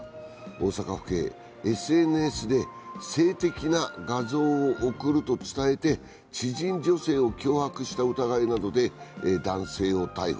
大阪府警、ＳＮＳで性的な画像を送ると伝えて知人女性を脅迫した疑いなどで男性を逮捕。